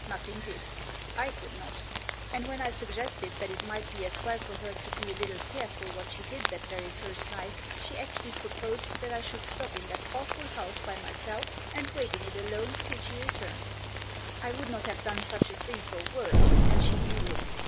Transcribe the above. Nothing did. I could not. And when I suggested that it might be as well for her to be a little Digitized by ?4 THE JOSS. careful what she did that very first night, she actually proposed that I should stop in that awful house by myself, and wait in it alone till she returned. I would not have done such a thing for worlds, and She knew it.